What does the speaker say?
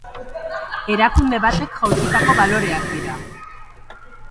Erakunde batek jaulkitako baloreak dira.